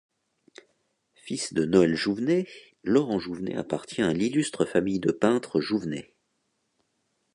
Fils de Noël Jouvenet, Laurent Jouvenet appartient à l’illustre famille de peintres Jouvenet.